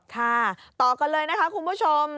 ค่ะต่อกันเลยนะคะคุณผู้ชม